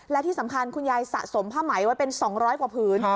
และที่สำคัญคุณยายสะสมผ้าไหมไว้เป็น๒๐๐กว่าผืน